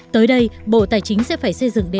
tới đây bộ tài chính sẽ phải xây dựng đề án